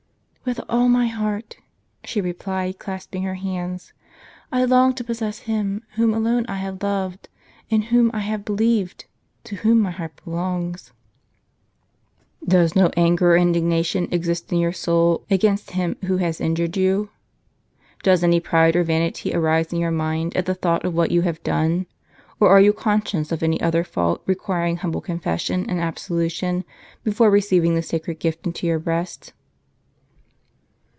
"With all my heart," she replied, clasping her hands; " I long to possess Him whom alone I have loved, in whom I have believed, to whom my heart belongs." "Does no anger or indignation exist in your soul against Mm \^^o has injured you ? does any pride or vanity arise in your mind at the thought of what you have done ? or are you conscious of any other fault requiring humble confession and absolution before receiving the sacred gift into your breast?